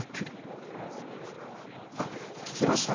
あっ聞きました？